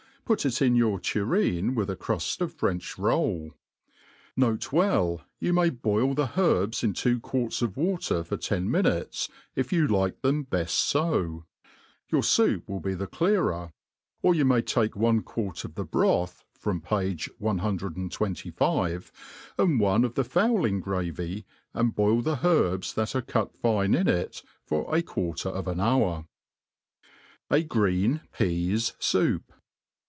put it in your tureen wUb a cruft of French roll, N. B. You may boil the herbs in two quarts of water for ten minutes, if you like them beft fo ; your foup will be the clcaVer, or you may take one quart of the broth, page 1 25, and one of the fowling gravy, and boil the herbs that arc cut fine in it for a quacter of an hour. ^ jf Green Peas S$up.